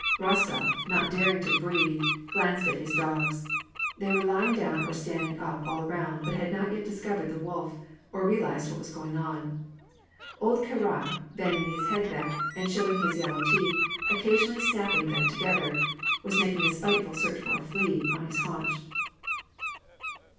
Itostof, not daring to breathe, glanced at his dogs : they were lying down or standing up all around, but had not yet discovered the wolf, or realized what was going on. Old Karai, bending his head back, and showing his yellow teeth, occasionally snapping them together, was making a spiteful search for a flea, on his haunch.